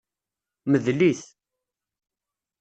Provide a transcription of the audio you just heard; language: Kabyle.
Mdel-it.